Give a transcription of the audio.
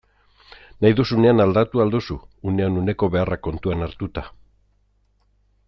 Nahi duzunean aldatu ahal duzu, unean uneko beharrak kontuan hartuta.